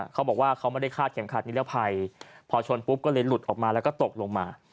เขาบอกว่าเขาไม่ได้คาดเข็มขัดนิรภัยพอชนปุ๊บก็เลยหลุดออกมาแล้วก็ตกลงมา